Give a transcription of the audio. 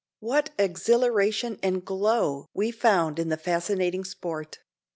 What exhilaration and glow we found in the fascinating sport.